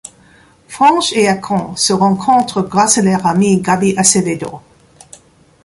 French et Akon se rencontrent grâce à leur ami Gaby Acevedo.